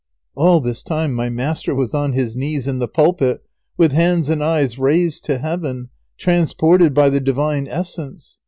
All this time my master was on his knees in the pulpit, with hands and eyes raised to heaven, transported by the divine essence.